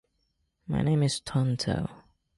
My name is Tonto.